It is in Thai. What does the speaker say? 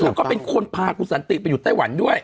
แล้วก็เป็นคนพาคุณสันติไปอยู่ไต้หวันด้วย